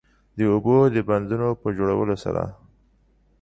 د اوبو د بندونو په جوړولو سره